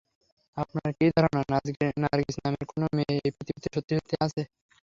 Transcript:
আপনার কি ধারণা, নার্গিস নামের কোনো মেয়ে এই পৃথিবীতে সত্যি-সত্যি আছে?